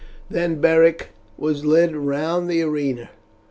Then Beric was led round the arena.